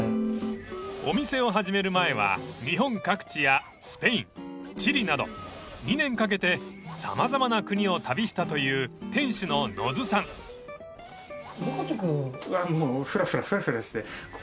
［お店を始める前は日本各地やスペインチリなど２年かけて様々な国を旅したという店主の野津さん］あっそうなんですか。